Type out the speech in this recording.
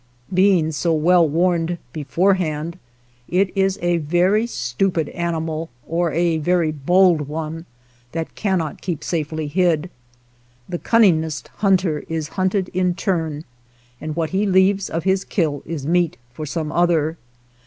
Being so well warned beforehand, it is a very stupid animal, or a very bold one, that cannot keep safely hid. The cunningest hunter is hunted in turn, and what he leaves of his kill is meat for some other.